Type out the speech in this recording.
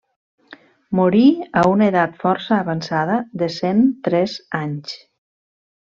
Morí a una edat força avançada de cent tres anys.